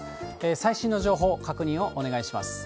最新の情報、確認をお願いします。